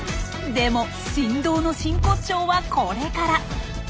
でも振動の真骨頂はこれから！